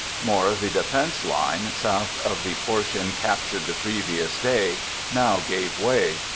More of the defense line, south of the portion captured the previous day, now gave way.